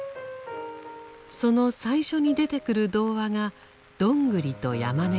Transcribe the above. その最初に出てくる童話が「どんぐりと山猫」です。